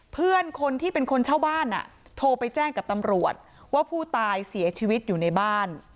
เพื่อนคนที่เป็นคนเช่าบ้านโทรไปแจ้งกับตำรวจว่าผู้ตายเสียชีวิตอยู่ในบ้าน